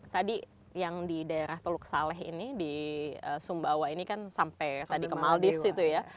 tadi yang di daerah teluk saleh ini di sumbawa ini kan sampai tadi ke maldives gitu ya